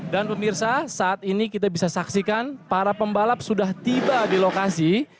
dan pemirsa saat ini kita bisa saksikan para pembalap sudah tiba di lokasi